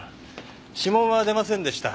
指紋は出ませんでした。